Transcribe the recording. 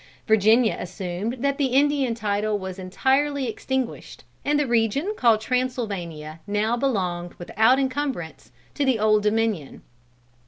Virginia assumed that the Indian title was entirely extinguished, and the region called Transylvania now belonged without encumbrance to the Old Dominion.